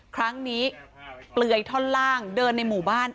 ครั้งนี้เปลือยท่อนล่างเดินในหมู่บ้าน